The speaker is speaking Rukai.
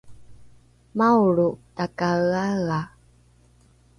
maolro takaeaea